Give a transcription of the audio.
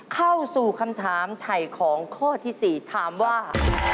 เข้าสู่คำถามไถ่ของข้อที่๔ถามว่า